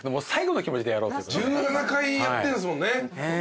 １７回やってんすもんね。